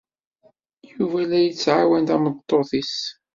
Yuba la yettɛawan tameṭṭut-nnes.